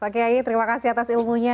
pak kiai terima kasih atas ilmunya